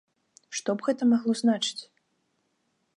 Што б гэта магло значыць?